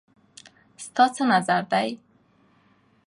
ستا څه نظر دی